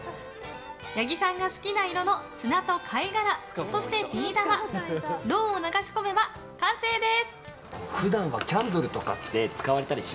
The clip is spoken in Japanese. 八木さんが好きな色の砂と貝殻そして、ビー玉ろうを流し込めば完成です！